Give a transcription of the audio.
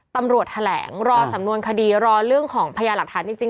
ตำรวจแถลงรอสำนวนคดีรอเรื่องของพญาหลักฐานจริง